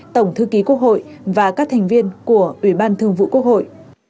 tổng thư ký quốc hội và các thành viên của ủy ban thường vụ quốc hội